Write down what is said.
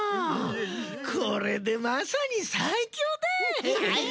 これでまさにさいきょうだい。